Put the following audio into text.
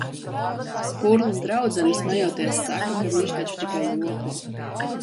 Urlas draudzene smejoties saka, ka viņš taču tikai joko.